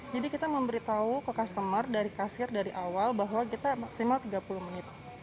jadi kita memberitahu ke customer dari kasir dari awal bahwa kita maksimal tiga puluh menit